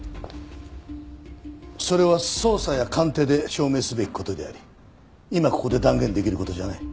それは捜査や鑑定で証明すべき事であり今ここで断言できる事じゃない。